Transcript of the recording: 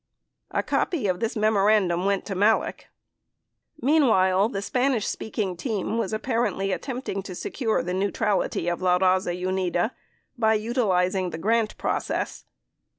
A copy of this memorandum went to Malek. Meanwhile, the Spanish speaking team was apparently attempt ing to secure the neutrality of La Raza Unida by utilizing the grant process.